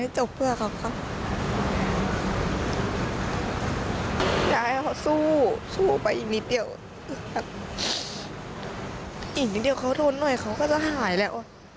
อีกนิดเดียวเขาทนหน่อยเขาก็จะหายแล้ว